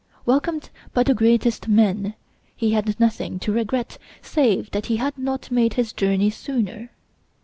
Welcomed by the greatest men, he had nothing to regret save that he had not made his journey sooner.